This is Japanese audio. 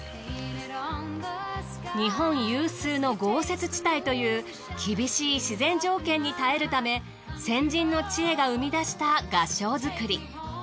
日本有数の豪雪地帯という厳しい自然条件に耐えるため先人の知恵が生み出した合掌造り。